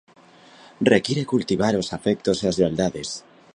Require cultivar os afectos e as lealdades.